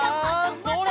それ！